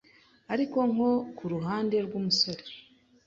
Ariko nko ku ruhande rw’umusore